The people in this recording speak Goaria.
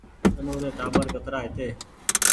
آنو ري ٽآٻر ڪترآ هيتي